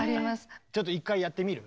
ちょっと１回やってみる？